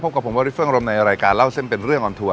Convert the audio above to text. กับผมวาริฟเฟื่องรมในรายการเล่าเส้นเป็นเรื่องออนทัว